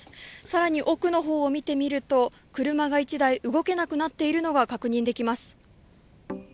更に奥の方を見てみると、車が１台動けなくなっているのが確認できます。